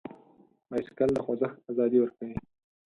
بایسکل د خوځښت ازادي ورکوي.